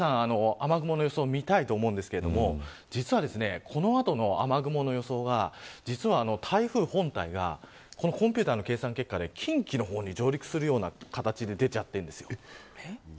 雨雲の予想をみたいと思うんですが実は、この後の雨雲の予想が実は台風本体がコンピューターの計算結果で、近畿の方に上陸するような形で出ちゃっているんです。